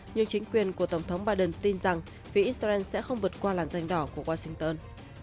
nhưng chính quyền của tổng thống biden tin rằng phía israel sẽ không vượt qua làn danh đỏ của washington